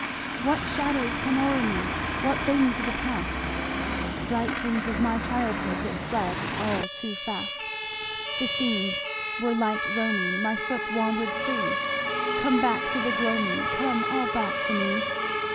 "What shadows come o'er me What things of the past, Bright things of my childhood That fled all too fast, The scenes where light roaming My foot wandered free, Come back through the gloamin' Come all back to me.